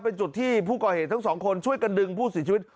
เป็นจุดที่ผู้ก่อเหตุทั้งสองคนช่วยกันดึงผู้เสียชีวิต